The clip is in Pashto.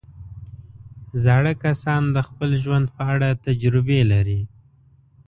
زاړه کسان د خپل ژوند په اړه تجربې لري